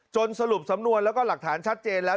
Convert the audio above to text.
สรุปสำนวนแล้วก็หลักฐานชัดเจนแล้ว